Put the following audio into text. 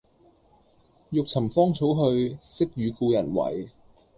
欲尋芳草去，惜與故人違。